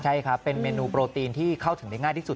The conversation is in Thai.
ใช่ครับเป็นเมนูโปรตีนที่เข้าถึงได้ง่ายที่สุด